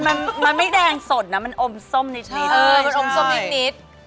มันไม่แดงสดนะมันอมส้มนิด